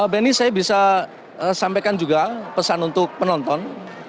benny saya bisa sampaikan juga pesan untuk penonton